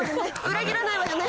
裏切らないわよね？